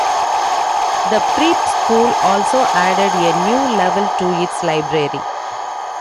The prep school also added a new level to its library.